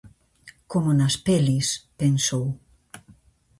"Como nas pelis", pensou.